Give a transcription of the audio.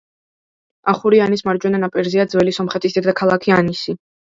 ახურიანის მარჯვენა ნაპირზეა ძველი სომხეთის დედაქალაქი ანისი.